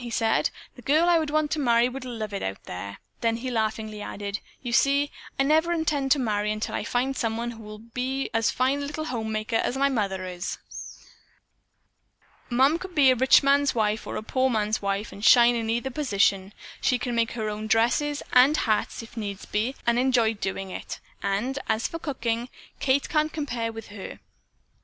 he said. "The girl I would want to marry would love it out there." Then he laughingly added: "You see, I never intend to marry until I find someone who will be as fine a little homemaker as my mother is. Mom could be a rich man's wife or a poor man's wife and shine in either position. She can make her own dresses and hats if need be and enjoy doing it, and, as for cooking, Kate can't compare with her.